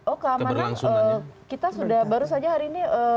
oh keamanan kita sudah baru saja hari ini